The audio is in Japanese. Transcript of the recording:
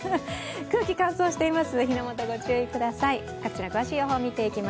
空気乾燥していますので火の元、ご注意ください。